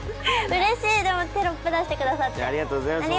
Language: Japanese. うれしい、テロップを出してくださって。